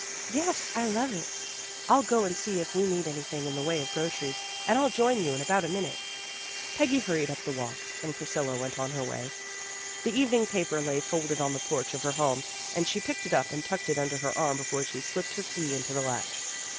"Yes, love it. I'll go and see if we need any thing in the way of groceries, and I'll join you in about a minute." Peggy hurried up the walk and Priscilla went on her way. The evening paper lay folded on the porch of her home and she picked it up and tucked it under her arm before she slipped her key into the latch.